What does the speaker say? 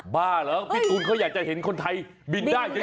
บ้าเหรอพี่ตูนเขาอยากจะเห็นคนไทยบินได้ใช่ไหม